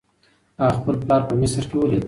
هغه خپل پلار په مصر کې ولید.